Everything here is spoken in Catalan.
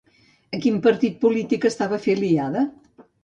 A quin partit polític estava afiliada?